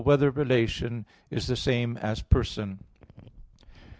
1] Whether Relation Is the Same As Person?